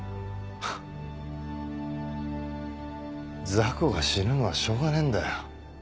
雑魚が死ぬのはしょうがねえんだよ。